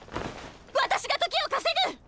私が時をかせぐ！